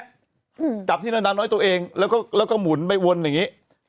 จับที่เนินน้อยตัวเองแล้วก็หมุนไปวนอย่างนี้